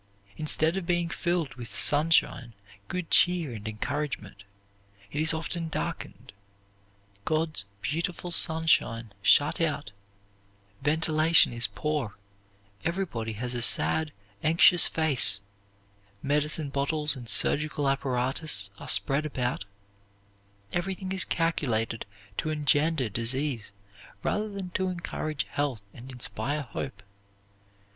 Instead of being filled with sunshine, good cheer, and encouragement, it is often darkened, God's beautiful sunshine shut out; ventilation is poor; everybody has a sad, anxious face; medicine bottles and surgical apparatus are spread about; everything is calculated to engender disease rather than to encourage health and inspire hope.